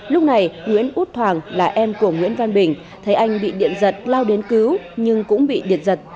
lúc này nguyễn út thoảng là em của nguyễn văn bình thấy anh bị điện giật lao đến cứu nhưng cũng bị điện giật